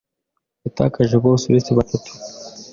Yatakaje bose uretse batatu